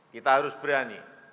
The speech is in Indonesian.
kita harus berani